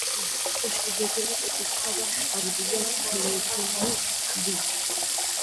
კოშკი გეგმით ოთხკუთხაა და აგებულია ფლეთილი ქვით.